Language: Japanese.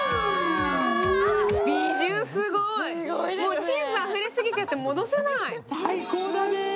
チーズあふれすぎちゃって戻せない。